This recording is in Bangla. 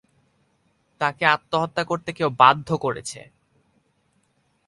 তাকে আত্মহত্যা করতে কেউ বাধ্য বরেছে।